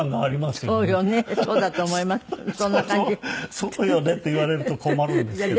「そうよね」って言われると困るんですけど。